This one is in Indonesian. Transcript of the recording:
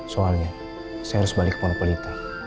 soalnya saya harus balik ke ponoplita